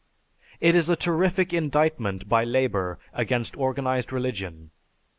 It is a terrific indictment by labor against organized religion.